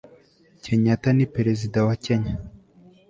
kenyata ni perezida wa kenya